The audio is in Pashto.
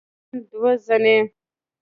يوه زن او دوه زنې